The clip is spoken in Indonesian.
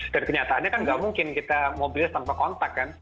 dan kenyataannya kan gak mungkin mobilitas kita tanpa kontak kan